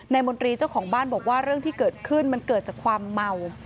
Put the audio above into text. มนตรีเจ้าของบ้านบอกว่าเรื่องที่เกิดขึ้นมันเกิดจากความเมา